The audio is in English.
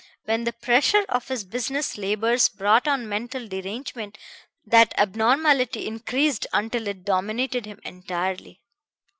When the pressure of his business labors brought on mental derangement, that abnormality increased until it dominated him entirely."